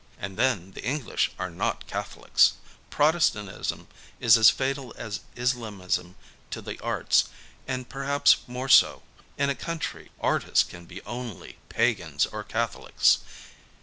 And then the English are not Catholics ! Protestantism is as fatal as Islamism to the Arts, and perhaps more so. Artists can be only Pagans or Catholics.